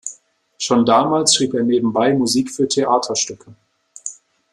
Schon damals schrieb er nebenbei Musik für Theaterstücke.